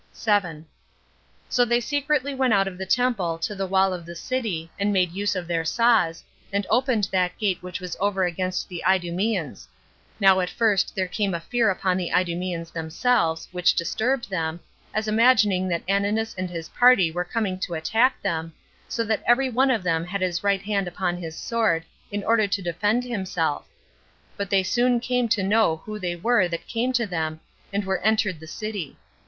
7. So they secretly went out of the temple to the wall of the city, and made use of their saws, and opened that gate which was over against the Idumeans. Now at first there came a fear upon the Idumeans themselves, which disturbed them, as imagining that Ananus and his party were coming to attack them, so that every one of them had his right hand upon his sword, in order to defend himself; but they soon came to know who they were that came to them, and were entered the city.